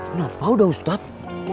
kenapa udah ustadz